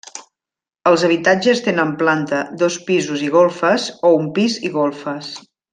Els habitatges tenen planta, dos pisos i golfes o un pis i golfes.